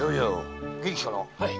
元気かな？